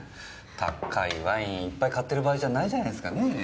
高いワインいっぱい買ってる場合じゃないじゃないですかねぇ？